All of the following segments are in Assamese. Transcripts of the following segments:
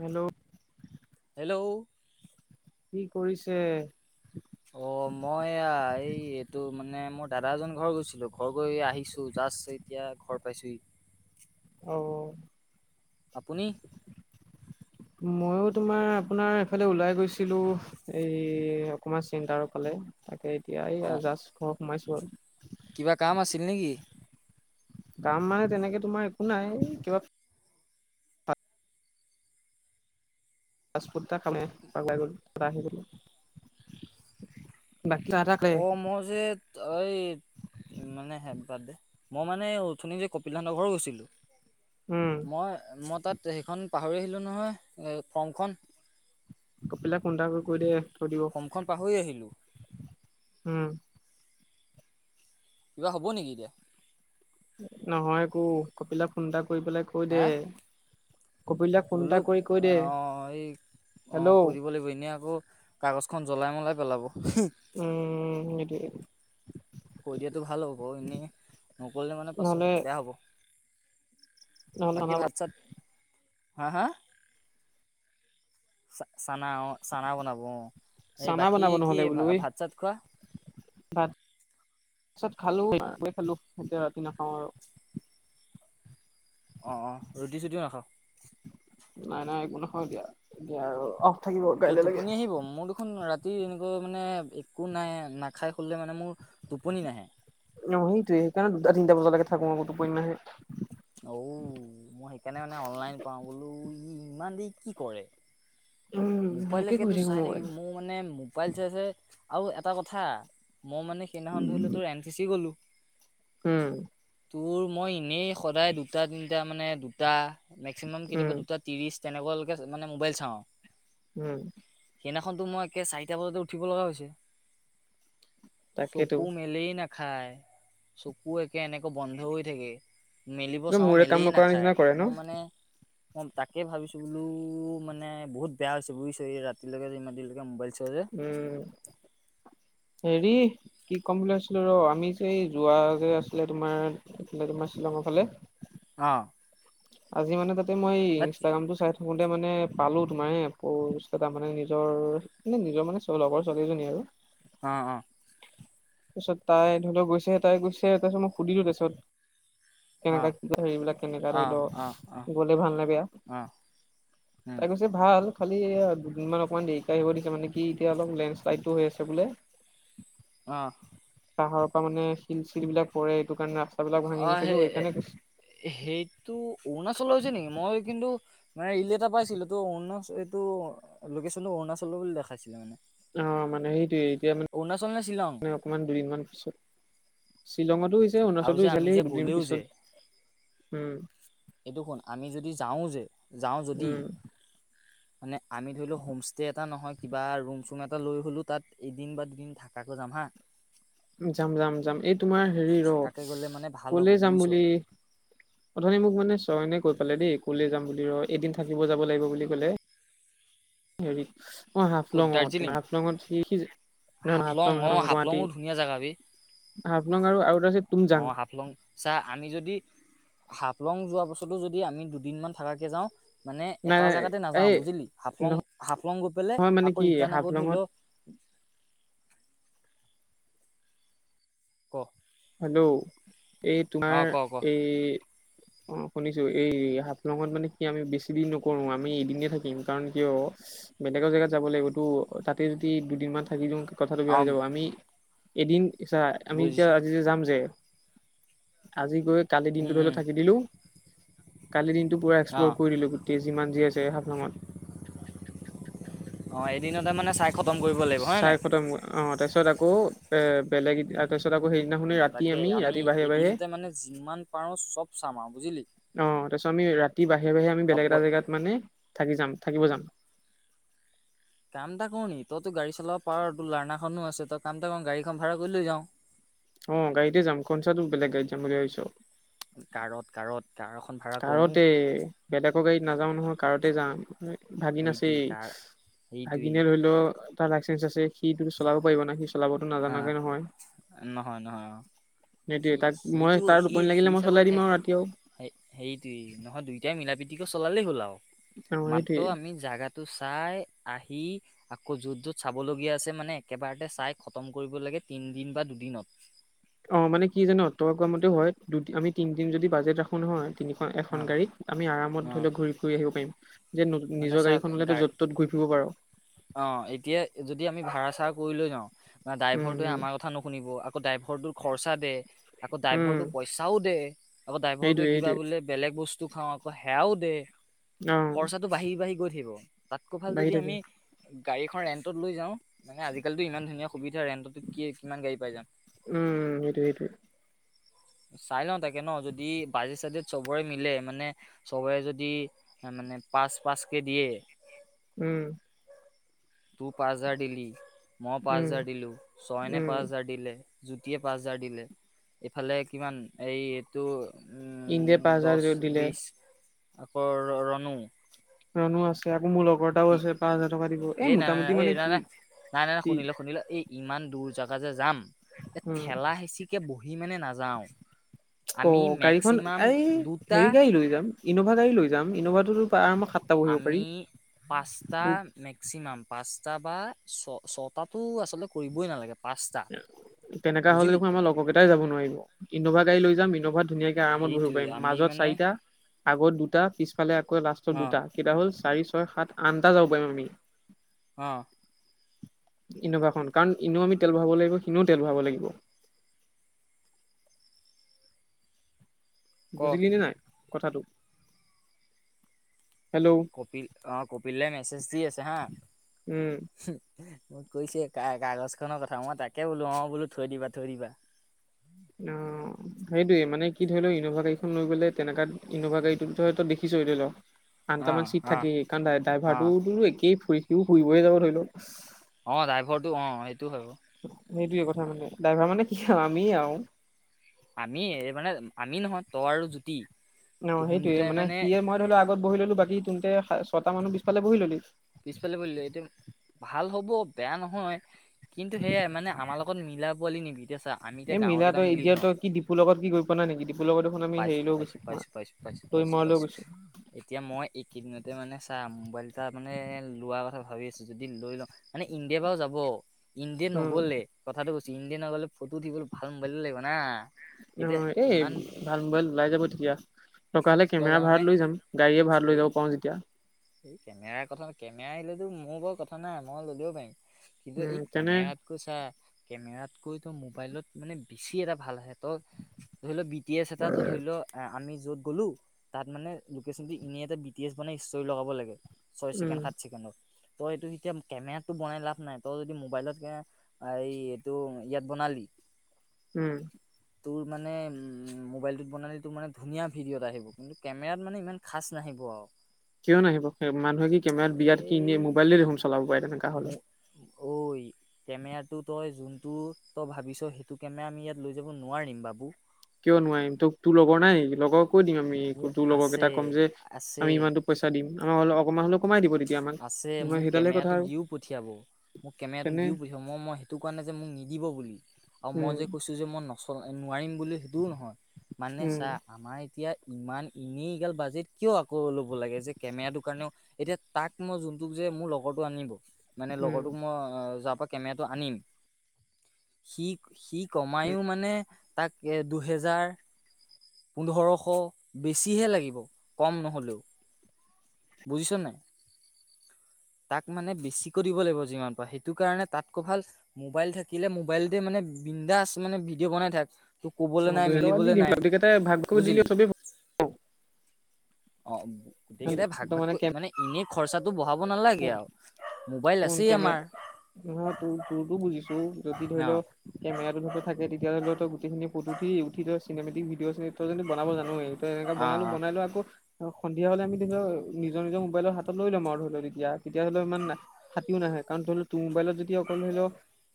হেল্ল'। হেল্ল'। কি কৰিছে। অ মই এই এইটো মানে মোৰ দাদা এজন ঘৰ গৈছিলো ঘৰ গৈ আহিছো জাষ্ট। এতিয়া ঘৰ পাইছোহি। অ। আপুনি। মইয়ো তোমাৰ আপোনাৰ এফালে ওলাই গৈছিলো। এই অকমান চিন্তাৰ ফালে তাকে এতিয়া এইযা অ' জাষ্ট ঘৰ সোমাইছো আৰু। কিবা কাম আছিল নেকি। কাম মানে তেনেকে তোমাৰ একো নাই কিবা। [unintelligible] চাহ তাহ খালে? অ মজেদ এই। মানে হে বাৰ্থডে মই মানে অথনি যে কপিল হেতৰ ঘৰ গৈছিলোঁ। উম মই মই তাত সেইখন পাহৰি আহিলোঁ নহয় ফৰ্মখন। কপিলক ফোন এটা কৰি কৈ দে থৈ দিব ফৰ্মখন পাহৰি আহিলো উম। কিব হ'ব নেকি এতিয়া। নহয় একো কপিলাক ফোন এটা কৰি পেলাই কৈ হা দে। কপিলাক ফোন বোলো এটা কৰি কৈ দে অ এই অ হেল্ল' কৈ দিব লাগিব এনেই আকৌ। কাগজ খন জ্বলাই মলাই পেলাব উম সেইটোৱে কৈ দিয়াটো ভাল হ'ব এনেই নকৰিলে মানে নহলে পাছত বেয়া হ'ব নহলে চানা বাকী বনাব ভাত চাত হা হা চা চানা অ চানা বনাব অ এই চানা বাকী বনাব কি নহলে বোলো ভা এই ভাত চাত খোৱা ভাত চাত খালো খালো এতিয়া ৰাতি নাখাওঁ আৰু অ অ ৰুটি চুটিও নাখাৱ নাই নাই একো নাখাও এতিয়া এতিয়া আৰু অফ থাকিব কাইলৈকে এখন ৰাতি এনেকুৱা মানে একো নাই নাখাই শুলে মানে মোৰ টোপনি নাহে অ সেইটোয়ে সেইকাৰণে দুটা তিনটা বজালৈকে থাকো আক টোপনি নাহে অঔ মই সেইকাৰণে মানে অনলাইন পাওঁ বোলো ই ইমান দেৰি কি কৰে উম তাকে কৰি মোবাইলকেতো থাকো চাই মোবাইল থাকিব মোৰ মানে মোবাইল চাই চাই আৰু এটা কথা মই মানে সেইদিনাখন ধৰিলো তোৰ এন চি চি গ'লো উম তোৰ মই এনেই সদায় দুটা তিনটা মানে দুটা মেক্সিমাম উম কেতিয়াবা দুটা ত্ৰিশ তেনেকুৱালৈকে মানে মোবাইল চাওঁ উম সেইদিনাখনতো মই একে চাৰিটা বজাতে উঠিব লগা হৈছে তাকেতো। চকু মেলেই না খাই চকু একে এনেকে বন্ধ হৈ থাকে মেলিব চাওঁ মোৰে মেলে কাম নকৰা নাখায় নিচিনা কৰে ন মই মানে অ তাকে ভাবিছো বোলো মানে বহুত বেয়া হৈছে বুজিছ এই ৰাতিলৈকে যে ইমান দেৰি লৈকে মোবাইল চাৱ যে উম হেৰি কি কম বুলি ভাবিছো আছিলো ৰ আমি যে এই যোৱা যে আছিলে তোমাৰ কিবা তোমাৰ শ্বিলঙৰ ফালে অহ আজি মানে তাতে মই তি- ইনষ্টাগ্ৰামটো চাই থাকোতে মানে পালো তোমাৰ হে পুৰণি বস্তু এটা মানে নিজৰ মানে নিজৰ মানে লগৰ ছোৱালী এজনী আৰু অ অ তাৰপিছত তাই ধৰি লওক গৈছে তাই গৈছে তাৰপিছত মই সুধিলো তাৰপিছত অ কেনেকুৱা কি কথা হেৰিবিলাক কেনেকুৱা অ ধৰি লওক অ অ কবলে ভাল নেলাগে অ এ তাই কৈছে ভাল খালি আ দুদিনমান অকণমান দেৰিকে আহিব দিছে মানে কি এতিয়া অলপ লেণ্ডশ্লাইডো হৈ আছে বোলে অহ পাহাৰৰ পৰা মানে শিল চিল বিলাক পৰে এইটো কাৰণে ৰাস্তাবিলাক ভাঙি অ গৈছেতো সেই সেইকাৰণে কৈছে সেইটো অৰুণাচলত হৈছে নেকি মই কিন্তু মানে ৰীল এটা পাইছিলো এইটো অৰুণাচ এইটো লোকেশনটো অৰুণাচলৰ বুলি দেখাইছিলে মানে অ মানে সেইটোৱে এতিয়া অৰুণাচল নে শ্বিলং মানে অকণমান দুদিনমান পিছত শ্বিলঙতো হৈছে আৰু অৰুণাচলতো যে হৈছে আমি খালি যে দুদিন গ'লেও যে পিছত উম এইটো কোন আমি যদি যাওঁ যে যাওঁ যদি উম মানে আমি ধৰি লওক হোমষ্টে এটা নহয় কিবা ৰুম চুম এটা লৈ হ'লেও তাত এদিন বা দুদিন থকাকৈ যাম হা [inaudible] যাম-যাম-যাম। এই তোমাৰ হেৰি থাকাকে ৰ' গ'লে মানে ভাল হ'ব ক'লে যাম বুজিছ বুলি- অথনি মোক মানে চয়নে কৈ পালে দেই, ক'লে যাম বুলি ৰ' এদিন থাকিব যাব লাগিব বুলি ক'লে। হেৰি অ' ক'ত হাফলঙত, দাৰ্জিলিং হাফলঙত সি খি নহয়-নহয় হাফলং, অ হাফলং গুৱাহাটী। হাফলঙো ধুনীয়া জেগা হাফলং আৰু-আৰু এটা আছে। তুমজাং অঁ', হাফলং। চা আমি যদি হাফলং যোৱাৰ পাছতো যদি আমি দুদিনমান থকাকে যাওঁ। মানে নাই এটা নাই জেগাতে এই নাযাঁও বুজিলি। হাফলং-হাফলং গৈ পেলাই নহয় মানে আকৌ কি ৰিটাৰ্ণ আকৌ ধৰি হাফলঙত লওঁ ক'? হেল্ল' এই তোমাৰ অ ক ক এই [unintelligible] অ' শুনিছো। এই হাফলঙত মানে কি আমি বেছি দিন নকৰো আমি এদিনে থাকিম। কাৰণ কিয়- বেলেগৰ জেগাত যাব লাগিবটো, তা'তে যদি দুদিনমান থাকি দিওঁ- কথাটো অ বেয়া হৈ যাব। আমি এদিন চা' আমি বুজিছো যেতিয়া- যাম যে আজি গৈ- কালি উম দিনটোত ধৰি লওঁ উম থাকি দিলো, কালিৰ দিনটো পুৰা অ এক্সপ্ল'ৰ কৰি দিলো। কি যিমান যি আছে হাফলঙত। অঁ', এদিনতে মানে চাই- খতম কৰিব লাগিব। হয় চাই নাই খতম অঁ', তাৰপিছত আকৌ এ' বেলেগ তাৰপিছত আকৌ হেৰি দিনাখন- অ' তাকে আমি এদিনতে মানে যিমান পাৰো চব চাম আৰু বুজিলি। অঁ', তাৰপিছত আমি ৰাতি বাহিৰে-বাহিৰে আমি অ বেলেগ প এটা জেগাত মানে থাকি যাম-থাকিব যাম। কাম এটা কৰো নেকি, তইতো গাড়ী চলাব পাৰ আৰু তোৰ লাৰ্নাখনো আছে তই কাম এটা কৰো গাড়ীখন ভাড়া কৰি লৈ যাওঁ। অঁ', গাড়ীতে যাম, কৌনচা তোৰ বেলেগ গাড়ীত যাম বুলি ভাবিছ। কাৰত-কাৰত, কাৰ এখন ভাড়া কৰোঁ। কি? বেলেগৰ গাড়ীত নাযাওঁ নহয় কাৰতে যাম। ভাগিন আছেই। সেইটোৱেই কাৰ সেইটোৱেই ভাগিনে ধৰি ল- তাৰ লাইচেঞ্চ আছেই সিটো চলাব পাৰিব না, সি চলাবতো হা নাজানাকে নহয়। নহয় নহয় অ সি সেইটোৱে তাক মই সিটো তাৰ টোপনি লাগিলে মই চলাই দিম আৰু ৰাতি আৰু। সেইটোৱেই, নহয় দুইটাই মিলা-প্ৰীতিকৈ চলালেই হ'ল আৰু। অ সেইটোৱে মাত্ৰ আমি- জেগাটো চাই আহি আকৌ য'ত-য'ত চাবলগীয়া আছে মানে একেবাৰতে চাই- খতম কৰিব লাগে তিনদিন বা দুদিনত। অঁ', মানে কি জান, তই কোৱা মতে হয় দুই আমি তিনিদিন যদি বাজেট ৰাখো নহয়- তিনিখন, এখন অ গাড়ীত আমি আৰামত অ ধৰি লওঁ ঘূৰি-ফূৰি আহিব পাৰিম। সেইটো নিজৰ গাড়ীখন হ'লে তোৰ যত-ত'ত ঘূৰি ফুৰিব পাৰো। অঁহ', এতিয়া যদি আমি ভাড়া-চাৰা কৰি লৈ যাওঁ বা উম ড্ৰাইভাৰটোৱে উম আমাৰ কথা নুশুনিব। আকৌ ড্ৰাইভৰটোৰ খৰচা দে, আকৌ উম ড্ৰাইভৰটো পইচাও দে, আকৌ ড্ৰাইভাৰটোৱে সেইটোৱে কিবা সেইটোৱে বোলে- বেলেগ বস্তু খাওঁ আকৌ সেয়াও দে। অঁহ। টো বাঢ়ি-বাঢ়ি গৈ থাকিব, তা'তকৈ ভাল যদি থাকে আমি গাড়ীখন ৰেণ্টত লৈ যাওঁ, মানে আজিকালিটো ইমান ধুনীয়া সুবিধা ৰেন্টতো কি কিমান গাড়ী পাই যাম। উমঁ, সেইটো-সেইটো। চাই লওঁ তাকে ন' যদি বাজেট-চাজেট চবৰে মিলে মানে- চবেই যদি মানে পাঁচ-পাঁচ কে দিয়ে উমঁ। তোৰ পাঁচ হেজাৰ দিলি মই পাঁচ উম হাজাৰ দিলো ছয়নে উম পাঁচ হাজাৰ দিলে জ্যোতিয়ে পাঁচ হাজাৰ দিলে এইফালে কিমান এই টো ইণ্ডিয়াই উ পাঁচ হাজাৰ দহ দিলে বিশ আকৌ ৰনো ৰনো আছে আকৌ মোৰ লগৰ এটাও আছে পাঁচ হাজাৰ টকা দিব এই নাই নাই নাই মোটামুটি ঐ মানে নাই কি নাই নাই নাই নাই কি শুনিল শুনিল এই ইমান দূৰ জেগা যে যাম এ উম ঠেলা হেঁচিকে বহি মানে নাযাও অ আমি গাড়ীখন মেক্সিমাম এই দুটা হেৰি গাড়ী লৈ যাম ইন'ভা গাড়ী লৈ যাম ইন'ভাটোতো আৰামত সাত আমি পাঁচটা মেক্সিমাম পাঁচটা বা ছ ছটাটো আচলতে কৰিবই নালাগে পাঁচটা এ তেনেকা হ'লে বুজিলি দেখোন আমাৰ লগৰ কেইটাই যাব নোৱাৰিব ইন'ভা গাড়ী লৈ যাম ইন'ভাত ধুনীয়াকে আৰামত বহিব সেইটোৱে পাৰিম আমি মাজত মানে চাৰিটা আগত দুটা পিছফালে আকৌ লাষ্টত অ দুটা কেইটা হল চাৰি ছয় সাত আঠটা যাব পাৰিম আমি অ ইন'ভাখন কাৰণ ইনেও আমি তেল ভৰাব লাগিব সিনেও তেল ভৰাব লাগিব ক বুজিলি নে নাই কথাটো হেল্ল' কপিল অ কপিলে মেছেজ দি আছে হা উম মোক কৈছে কা কাগজ খনৰ কথা মই তাকে বোলো অ বোলো থৈ দিবা থৈ দিবা উম সেইটোৱেই মানে কি ধৰি ল ইনভা গাড়ীখন লৈ গ'লে তেনেকা ইনভা গাড়ীটো তিনি ধৰ দেখিছ ধৰি ল অ আঠটামান চিট অ থাকে কাৰণ অ ড্ৰাইভাৰটোওতো একেই সিও ফুৰিবই যাব ধৰি ল অ ড্ৰাইভাৰটো অ এইটো হয় বাৰু সেইটোয়ে কথা মানে ড্ৰাইভাৰ মানে কি আৰু আমিয়েই আৰু আমিয়ে মানে আমি নহয় তই আৰু জ্যোতি অ সেইটোৱে মানে সিয়ে মই ধৰি ল আগত বহি ললো বাকী তহঁতে ছয়টা মানুহ পিছফালে বহি ললি পিছফালে বহি ললে এতিয়া ভাল হ'ব বেয়া নহয় কিন্তু সেয়াই মানে আমাৰ লগত মিলা পোৱালি নিবি এতিয়া চা আমি এতিয়া এই গাঁৱৰ মিলা কেইটা তই মিলি এতিয়াও থাকো তই কি ডিপুৰ লগত কি গৈ পোৱা নাই নেকি ডিপুৰ লগত দেখোন আমি পাইছো হেৰিলৈও পাইছো গৈছি পাইছো পাইছো পাইছো পাইছো এতিয়া মই এইকেইদিনতে মানে চা মোবাইল এটা মানে লোৱা কথা ভাবি আছো যদি লৈ লও মানে ইন্দে বাও যাব মানে ইন্দে উম নগ'লে কথাটো কৈছ ইণ্ডিয়া নগলে ফটো উঠিবলৈ ভাল মোবাইল লাগিব না অ এতিয়া এই ইমান ভাল মোবাইল ওলাই যাব তেতিয়া টকা হলে কিয় কেমেৰা জানানে ভাড়াত লৈ যাম গাড়ীয়ে ভাৰা লৈ হেৰি যাব পাও যেতিয়া এই কেমেৰাৰ কথা কেমেৰা আহিলেতো মোৰ বৰ কথা নাই মই ল'লেও পাৰিম কিন্তু উম এই তেনে কেমেৰাত ঐ চা কেমেৰাতকৈতো মোবাইলত মানে বেছি এটা ভাল আহে ত ধৰি লও বি টি এছ এটা ধৰি লও আমি য'ত গ'লো তাত মানে লোকেচনটো এনেই এটা বি টি এছ বনাই ষ্ট্ৰৰি লগাব লাগে ছয় উম ছেকেণ্ড সাত ছেকেণ্ডত ত' এইটো এতিয়া কেমেৰাটো বনাই লাভ নাই ত' যদি মোবাইলত এয়া আৰু এই এইটো ইয়াত বনালি উম তোৰ মানে মোবাইলটোত বনালে তোৰ মানে ধুনীয়া ভিডিঅ' এটা আহিব কিন্তু কেমেৰাত মানে ইমান খাচ নাহিব আৰু কিয় নাহিব মানুহে কি কেমেৰাত বিয়াত কি এনে এই মোবাইলে দেখোন চলাব পাৰে তেনেকা মোৰ হলে ঐ কেমেৰাটো তই যোনটো তই ভাবিছ সেইটো কেমেৰা আমি ইয়াত লৈ যাব নোৱাৰিম বাবু কিয় নোৱাৰিম তোক তোৰ লগৰ নাই লগৰক কৈ দিম আমি আমি মোক তোৰ লগৰ আছে কেইটাক কম যে আছে আমি ইমানতো পইচা দিম আমাৰ হ'লে অকণমান হলে কমাই দিব তে আছে মোক, কেমেৰাটো দিওঁ পঠিয়াব। মোক কেমেৰাটো তেনে দিওঁ পঠিয়াব, মই মই সেইটো কোৱা নাই যে, মোক নিদিব বুলি আৰু মই উম যে কৈছো যে মই নচ, নোৱাৰিম বুলি সেইটোও নহয়, মানে ছা, উম আমাৰ এতিয়া ইমান এনেই এইগাল বাজেট কিয় আকৌ ল'ব লাগে, যে কেমেৰাটোৰ কাৰণেও এতিয়া তাক মই যোনটোক যে, মোৰ লগৰটো আনিব মানে উম লগৰটোক মই য কেমেৰাটো আনিম, সি, সি, কমাইও মানে তাক, এ, দুহেজাৰ পোন্ধৰশ বেছিহে লাগিব, কম নহ'লেও। বুজিছ নে নাই? তাক মানে বেছিকৈ দিব লাগিব, যিমান পাৰ সেইটো কাৰণে তাতকৈ ভাল মোবাইল থাকিলে, মোবাইল দিয়ে মানে, বন্দাচ মানে ভিডিঅ, বনাই থাক। তোক ক'বলৈ অ নাই, দুহেজাৰ টকা দি মিলিবলৈ দিম নাই, গোটেইকেইটাই ভাগ কৰি দিলে বুজিলি। চবেই অ, এই ভাল কেইটাই ভাগ তাৰ ভাগ, কেম কৰি মানে এনেই খৰচাটো বঢ়াব নালাগে আৰু। মোবাইল ফোন আছেই কেমেৰা, আমাৰ নহয় তোৰ-তোৰতো বুজিছো, যদি ধৰি অ লওঁ। কেমেৰাটোত থাকে, তেতিয়াহলেত গোটেইখিন ফটো উঠি, উঠি, চিনেমেটিক ভিডিঅ চ, বনাব জানোৱেই। এনেকে অ বনালো অ বনাই লয় আকৌ, সন্ধিয়া হ'লে আমি, ধ, সন্ধিয়া হ'লে লক, নিজৰ নিজৰ মোবাইলৰ হাতত লৈ লম আৰু ধৰি ল, নি তেতিয়া, ধৰি লও ইমান ফাটিও নাহে, কাৰণ ধৰি লওঁ তোৰ মোবাইলত যদি অকল ধৰি লওঁ।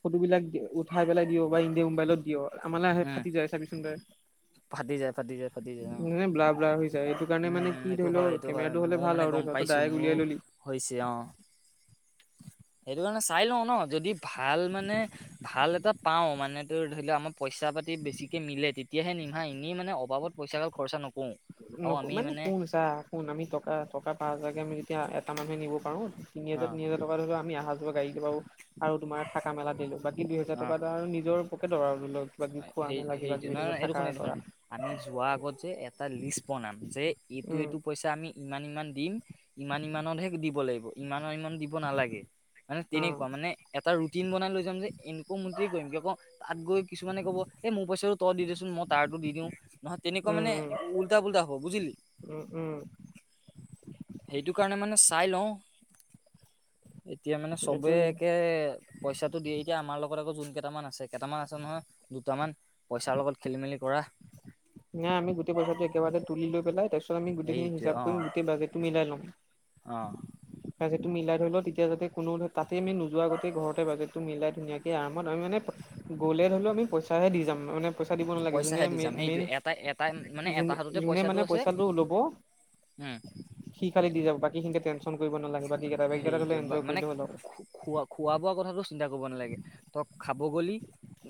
ফটোবিলাক উঠাই পেলাই দিও বা এনেই মোবাইলত দিও, আমালে আহে উম ফাটি যায় চাবিচোন। ফাটি যায়, ফাটি যায়, ফাটি যায়, অ, মানে ব্লাৰ, ব্লাৰ হৈ যায় এইটো কাৰণে উম মানে উম কি এইটো ধৰি হয় লও, এইটো হয় কেমেৰাটো হ'লে ময়ো ভাল মানে আৰু গম ধৰি ল, পাইছো ডাইৰেক্ট মোৰো উলিয়াই ললি। হৈছে। অ, সেইটো কাৰণে চাই লওঁ ন, যদি ভাল মানে ভাল এটা পাওঁ, মানে তোৰ ধৰি লওঁ আমাৰ পইচা পাতি বেছিকে মিলে, তেতিয়াহে নিম বা, এনেই মানে অভাবত পইচা গাল খৰচা নকৰোঁ। ন, মানে শুন, চাহ শুন, আমি টকা, টকা পাচঁ হাজাৰ আমি যেতিয়া এটা, মানহে নিব পাৰো তিনি অ হাজাৰ, তিনি হাজাৰ, টকা আমি আহা, যোৱা গাডী কিবা আৰু তোমাৰ থাকা মেলা, দিলো বাকী দুই হোজাৰ অ টকা, আৰু নিজৰ পকেটৰ আৰু ধৰি ল বাাকি, খোৱা সেই মেলা, সেই কিবা-কিবি নহয় ধৰি নহয় ল, এইটো শুন থাকা এইটো শুন কৰা। আমি যোৱা আগত যে, এটা লিষ্ট বনাম যে, এইটো, উম এইটো পইচা এ, আমি ইমান, ইমান দিম, ইমান, ইমানতহে দিব লাগিব ইমানৰ, ইমান দিব নালাগে। মানে উম তেনেকুৱা মানে, এটা ৰুটিন বনাই লৈ যাম যে, এনেকো মতে কৰিম, কিয় কও তাত গৈ কিছুমানে ক'ব এই মোৰ পইচাটো তই দি দেচোন, মই তাৰো দি দিওঁ, নহয় তেনেকুৱা উম মানে উম উলতা-পোলতা হ'ব বুজিলি। উম, উম, সেইটো কাৰণে মানে, চাই লওঁ। এতিয়া মানে চবে, এইটোৱে একে পইচাটো দিয়ে এতিয়া আমাৰ লগত আকৌ যোন কেইটামান আছে, কেইটামান আছে নহয়। দুটামান পইচাৰ লগত খেলি-মেলি কৰা নাই আমি গোটেই পইচাটো, একেবাৰতে তুলি লৈ, পেলাই তাৰ পিছত আমি গোটেইখিনি সেইটোৱে হিচাপ অ কৰিম গোটেই বাজেতটো মিলাই ল'ম অ, বাজেতটো মিলাই ধৰি ল, তেতিয়া, যাতে কোনো তাতে আমি, নোযোৱা আগতেই ঘৰতে বাজেটটো মিলাই ধুনীয়াকে এ, আৰামত আমি মানে গ'লে ধৰিলেও, আমি পইচাহে দি যাম, মানে পইচা দিব নালাগে, যোনে মেইন, মেইন টা, এটা মানে যোন, এটা হাততে যোনে মানে আছে পইচাটো ল'ব উম সি, খালি দি যাব, বাকী সিনি, টেনচন কৰিব নালাগে বাকী কেইটাত হেৰিটো হ'লে বা- এনজয় মানে কৰিলেই হ'ল আৰু। খো- খোৱা, খোৱা-বোৱা কথাটো চিন্তা কৰিব নালাগে, তই খাব গলি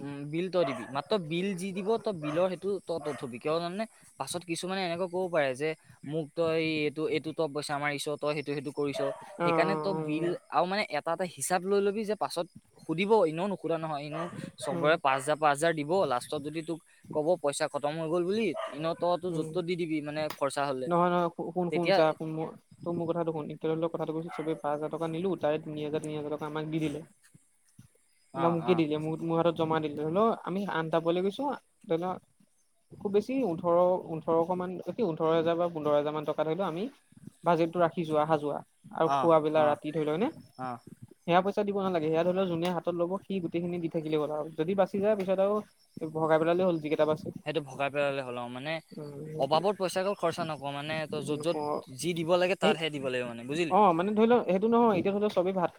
উম, বিল তই দিবি, মাত্ৰ বিল যি দিব, তই বিলৰ সেইটো তই তত, থবি কিয় জাননে? পাছত কিছুমানে এনেকুৱা কব পাৰে যে মোক তই এইটো এইটো টপ বাইছে। আমাৰ ঈচত তই সেইটো সেইটো কৰিছ। অ সেইকাৰণে অ তই অ বিল উম আৰু মানে এটা এটা হিচাপ লৈ লবি যে পাছত সুধিব এনেও নুসোধা নহয় এনেও উম চবৰে পাছ হাৰ পাঁচ হাজাৰ দিব লাষ্টত যদি তোক ক'ব পইচা খতম হৈ গ'ল বুলি ইনত ত, তটো যত উম ত দি দিবি মানে খৰচা হলে তেতিয়া ত, মোৰ কথা শুন [unintelligible] কথাটো শুনি চবে পাছ হাজাৰ টকা নিলো তাৰে তিনি হাজাৰ তিনি হাজাৰ টকা [unintelligible] দি দিলে অ বা অ মোকে দিলে ম মোৰ হাতত জমা দিলো ধৰিলও আমি আনটাবলৈ গৈছো ধৰি ল খুব বেছি ওঠৰ ওঠৰশ মান অতি ওঠৰ হাজাৰ বা পোন্ধৰ হাজাৰ মান টকা ধৰিলেও আমি বাজেটটো ৰাখিছো আহা যোৱা আৰু অ খুৱাবেলা অ ৰাতি ধৰি লও নে অ সেয়া পইচা দিব নালাগে সেয়া ধৰিল যোনে হাতত লব সি গোটেইখিন দি [unintelligible] যদি বাচি যায় পিছত ভগাই পেলালে হ'ল যিকেইটা বাছে। সেইটো ভগাই পেললে হ'ল মানে অবাবত উম পইচা বোৰ খৰচা নকও মানে তই য'ত য'ত যি দিব লাগে। সেই তাৰহে দিব লাগে মানে বুজিলি অ', মানে ধৰি লওক সেইটো নহয় এতিয়া তটো চবে ভাত